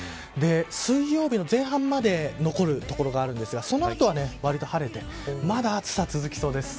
水曜日の前半まで残る所があるんですがその後は、わりと晴れてまだ暑さ、続きそうです。